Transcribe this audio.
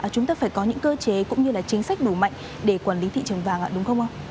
chúng ta phải có những cơ chế cũng như là chính sách đủ mạnh để quản lý thị trường vàng đúng không ạ